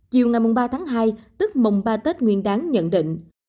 chiều ngày ba tháng hai tức mùng ba tết nguyên đáng nhận định